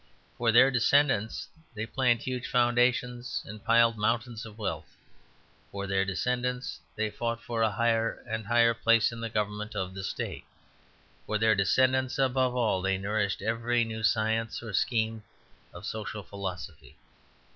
For their descendants they planned huge foundations and piled mountains of wealth; for their descendants they fought for a higher and higher place in the government of the state; for their descendants, above all, they nourished every new science or scheme of social philosophy.